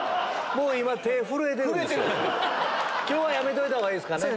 今日はやめといたほうがいいですかね？